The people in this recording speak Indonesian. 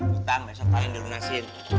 hutang besok kalian dirunasin